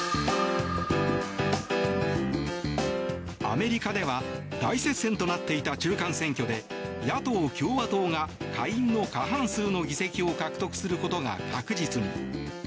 アメリカでは大接戦となっていた中間選挙で野党・共和党が下院の過半数の議席を獲得することが確実に。